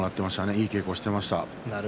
いい稽古をしていました。